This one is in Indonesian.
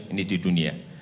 ini di dunia